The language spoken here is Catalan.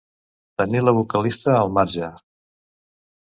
Tenir la vocalista al marge.